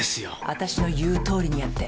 私の言うとおりにやって。